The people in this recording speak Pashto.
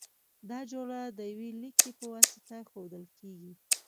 دا جوړه د یوه لیکي په واسطه ښودل کیږی.